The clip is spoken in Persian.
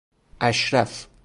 اَشرف